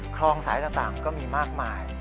คลองสายต่างก็มีมากมาย